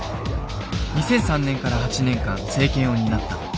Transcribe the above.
２００３年から８年間政権を担った。